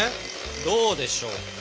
どうでしょうか？